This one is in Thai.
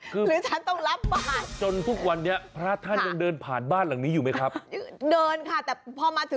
คือนึกว่าพระมารอใส่บาตรศาสตร์